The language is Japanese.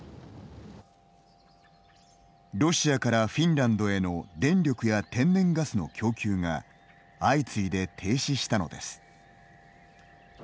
ロシアからフィンランドへの電力や天然ガスの供給が相次いで停止したのです。